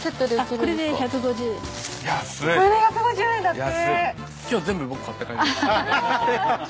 これで１５０円だって！